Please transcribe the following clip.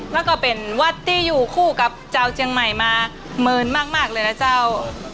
แล้วก็เป็นวัดที่อยู่คู่กับเจ้าเจียงใหม่มาเมินมากเลยนะเจ้า